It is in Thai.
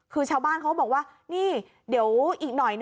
คือชาวบ้านเขาบอกว่านี่เดี๋ยวอีกหน่อย